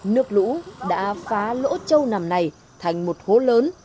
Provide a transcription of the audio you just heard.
nước lũ đã phá lỗ trâu nằm này thành một hố lớn